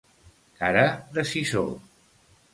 Cara de sisó.